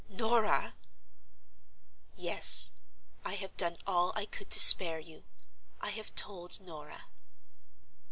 "Norah!" "Yes. I have done all I could to spare you. I have told Norah."